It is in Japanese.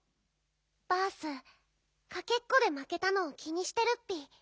バースかけっこでまけたのを気にしてるッピ。